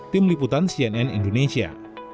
tim liputan cnn indonesia